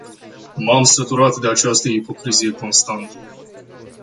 M-am săturat de această ipocrizie constantă.